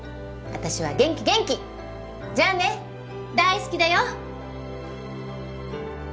私は元気元気じゃあね大好きだよ